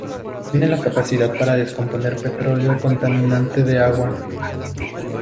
Tiene la capacidad para descomponer petróleo contaminante de agua.